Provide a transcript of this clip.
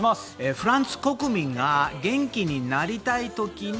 フランス国民が元気になりたい時に